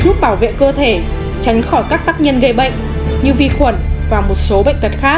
giúp bảo vệ cơ thể tránh khỏi các tác nhân gây bệnh như vi khuẩn và một số bệnh tật khác